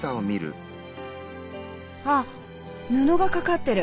あ布がかかってる。